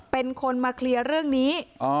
เป็นคนมาเคลียร์เรื่องนี้